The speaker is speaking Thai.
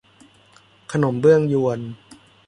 ขนมเบื้องญวน